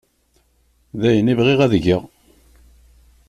D ayen i bɣiɣ ad geɣ.